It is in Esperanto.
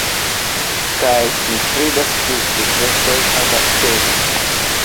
Kaj mi kredas ke sekretoj havas pezon.